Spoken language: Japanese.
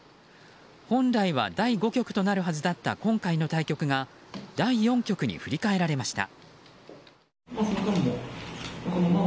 本来は第５局となるはずだった今回の対局が第４局に振り替えられました。